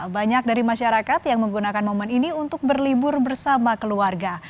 banyak dari masyarakat yang menggunakan momen ini untuk berlibur bersama keluarga